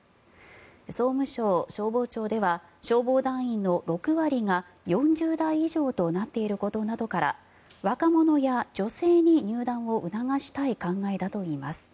総務省消防庁では消防団員の６割が４０代以上となっていることなどから若者や女性に入団を促したい考えだといいます。